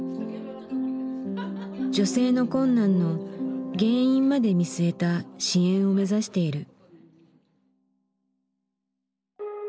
女性の困難の原因まで見据えた支援を目指している。